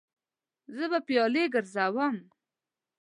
زه به پیالې ګرځوم.